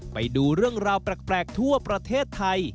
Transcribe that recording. ไปดูเรื่องราวแปลกทั่วประเทศไทย